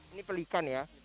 ini pelikan ya